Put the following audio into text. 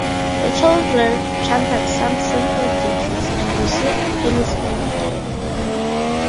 The children chanted some simple ditties and received pennies in return.